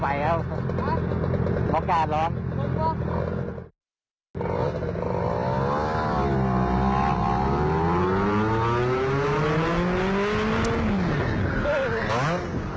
เมื่อไหร่โอ้โห